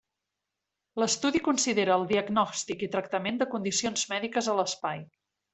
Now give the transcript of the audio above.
L'estudi considera el diagnòstic i tractament de condicions mèdiques a l'espai.